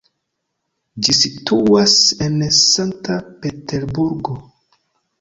Ĝi situas en Sankt-Peterburgo.